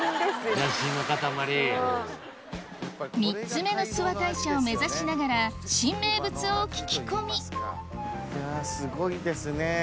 ３つ目の諏訪大社を目指しながら新名物を聞き込みいやすごいですね。